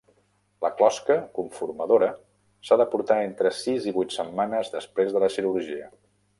La closca conformadora s'ha de portar entre sis i vuit setmanes després de la cirurgia.